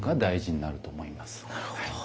なるほど。